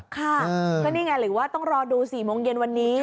ค่ะก็นี่ไงหรือว่าต้องรอดู๔โมงเย็นวันนี้